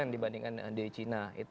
dibandingkan dari cina